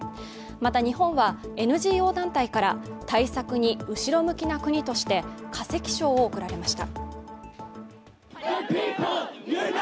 また、日本はＮＧＯ団体から対策に後ろ向きな国として化石賞を贈られました。